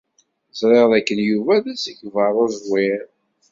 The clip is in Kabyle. Ẓriɣ dakken Yuba d asegbar uẓwir.